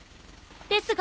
ですが！